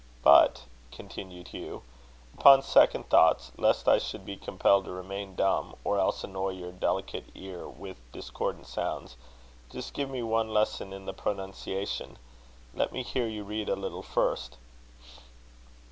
"But," continued Hugh, "upon second thoughts, lest I should be compelled to remain dumb, or else annoy your delicate ear with discordant sounds, just give me one lesson in the pronunciation. Let me hear you read a little first."